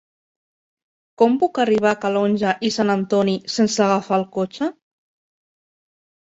Com puc arribar a Calonge i Sant Antoni sense agafar el cotxe?